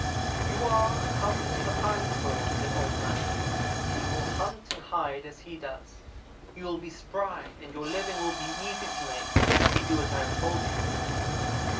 "'You are a cousin to the Pine squirrel,' said Old man, 'and you will hunt and hide as he does. You will be spry and your living will be easy to make if you do as I have told you.'